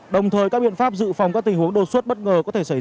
đồng thời các biện pháp dự phòng các tình huống đột xuất bất ngờ